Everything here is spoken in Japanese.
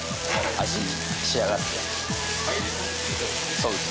そうです。